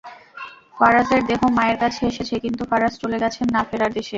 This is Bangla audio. ফারাজের দেহ মায়ের কাছে এসেছে, কিন্তু ফারাজ চলে গেছেন না-ফেরার দেশে।